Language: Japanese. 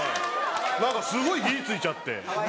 何かすごい火付いちゃって。